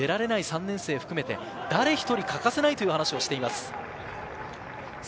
出られない３年生を含めて誰１人欠かせないという話をしています。